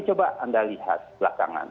coba anda lihat belakangan